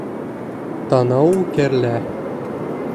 ТАНАУ КӘРЛӘ